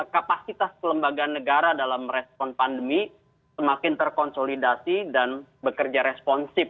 kapasitas kelembagaan negara dalam respon pandemi semakin terkonsolidasi dan bekerja responsif